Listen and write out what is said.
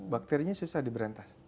bakterinya susah diberhentas